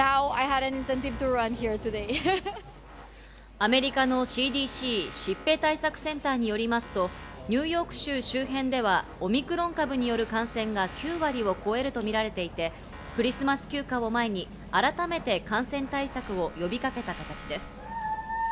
アメリカのＣＤＣ＝疾病対策センターによりますと、ニューヨーク州周辺ではオミクロン株による感染が９割を超えるとみられていて、クリスマス休暇を前に改めて感染対策を呼びかけた形です。